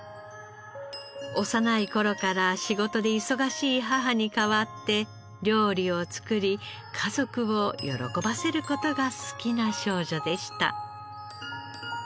幼い頃から仕事で忙しい母に代わって料理を作り家族を喜ばせる事が好きな少女でした。